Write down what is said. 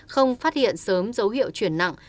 không phát hiện sớm dấu hiệu chuyển nặng